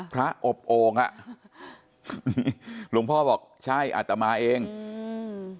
อบโอ่งอ่ะหลวงพ่อบอกใช่อาตมาเองอืม